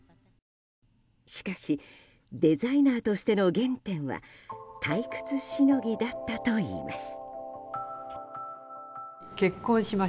しかしデザイナーとしての原点は退屈しのぎだったといいます。